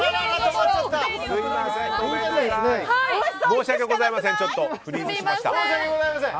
申し訳ございません。